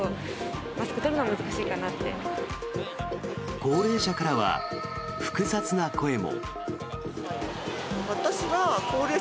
高齢者からは複雑な声も。